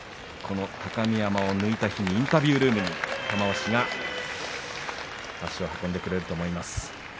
高見山を抜いた日にインタビュールームに玉鷲が足を運んでくれると思います。